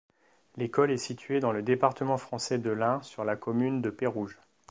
L'école est située dans le département français de l'Ain, sur la commune de Pérouges.